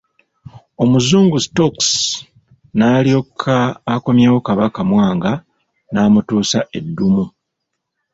Omuzungu Stokes n'alyoka akomyawo Kabaka Mwanga n'amutuusa e Ddumu.